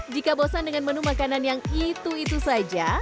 jika bosan dengan menu makanan yang itu itu saja